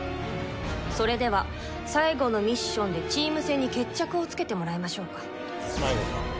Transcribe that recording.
それでは最後のミッションでチーム戦に決着をつけてもらいましょうか。